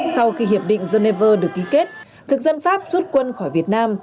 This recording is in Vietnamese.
sau khi hiệp định geneva được ký kết thực dân pháp rút quân khỏi việt nam